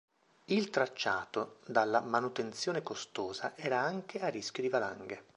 Il tracciato, dalla manutenzione costosa era anche a rischio di valanghe.